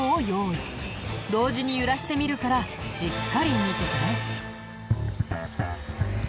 同時に揺らしてみるからしっかり見てて。